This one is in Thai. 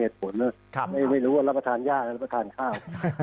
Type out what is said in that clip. ไม่รู้ว่ารับประทานยากแล้วรับประทานข้าว